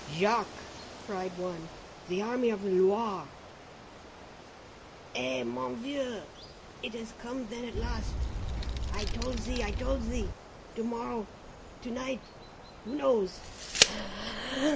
"Jacques!" cried one. "The Army of the Loire!" "Eh! mon vieux, it has come then at last! I told thee! I told thee! To morrow to night who knows?"